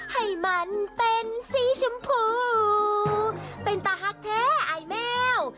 ให้มันเป็นสีชมพูเป็นตาหักแท้ไอ้แมว